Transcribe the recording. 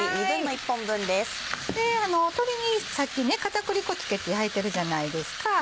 鶏にさっき片栗粉付けて焼いてるじゃないですか。